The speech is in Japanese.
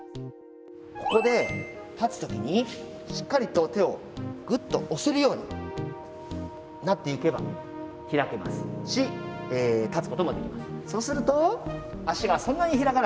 ここで立つ時にしっかりと手をぐっと押せるようになっていけば開けますし立つこともできます。